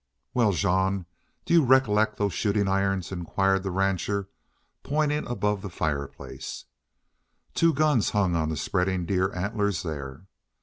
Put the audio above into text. "Wal, Jean, do you recollect them shootin' irons?" inquired the rancher, pointing above the fireplace. Two guns hung on the spreading deer antlers there.